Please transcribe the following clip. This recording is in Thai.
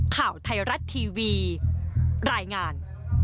ข่าวไทยรัฐทีวีรายงาน